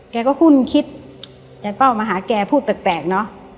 แกก็หุ้นคิดแต่เป้ามาหาแกพูดแปลกเนอะ